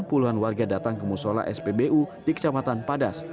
puluhan warga datang ke musola spbu di kecamatan padas